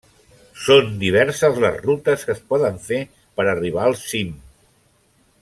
Són diverses les rutes que es poden fer per arribar al cim.